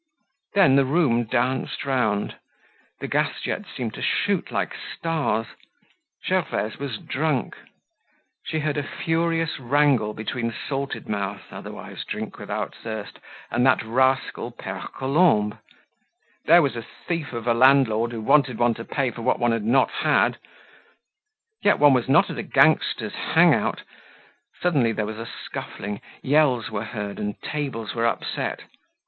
Then the room danced round, the gas jets seemed to shoot like stars. Gervaise was drunk. She heard a furious wrangle between Salted Mouth, otherwise Drink without Thirst, and that rascal Pere Colombe. There was a thief of a landlord who wanted one to pay for what one had not had! Yet one was not at a gangster's hang out. Suddenly there was a scuffling, yells were heard and tables were upset.